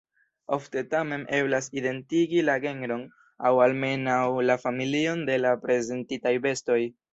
Ofte tamen eblas identigi la genron aŭ almenaŭ la familion de la prezentitaj bestoj.